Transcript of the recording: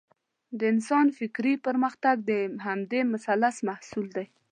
د انسان فکري پرمختګ د همدې مثلث محصول دی.